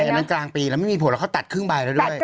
อันนั้นกลางปีแล้วไม่มีผลแล้วเขาตัดครึ่งใบแล้วด้วย